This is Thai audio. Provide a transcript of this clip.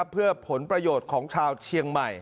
เพื่อผลประโยชน์ของชาวเชียงใหม่